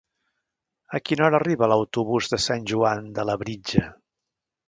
A quina hora arriba l'autobús de Sant Joan de Labritja?